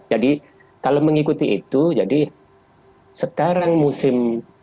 jadi kalau mengikuti itu jadi sekarang musim